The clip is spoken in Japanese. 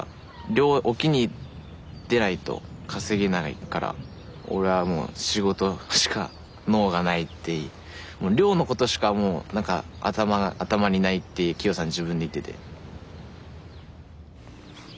漁は沖に出ないと稼げないから俺はもう仕事のことしか能がないってもう漁のことしかもう頭にないってキヨさん自分で言ってて。